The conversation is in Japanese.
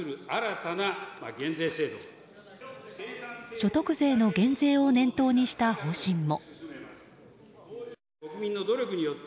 所得税の減税を念頭にした方針も。